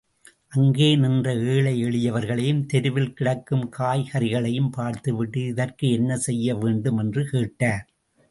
அங்கே நின்ற ஏழை எளியவர்களையும் தெருவில் கிடக்கும் காய்கறிகளையும் பார்த்துவிட்டு இதற்கு என்ன செய்ய வேண்டும்? என்று கேட்டார்.